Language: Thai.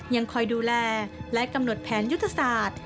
ยังคอยดูแลและกำหนดแผนยุทธศาสตร์